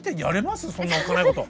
そんなおっかないこと。